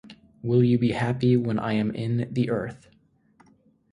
Will you be happy when I am in the earth?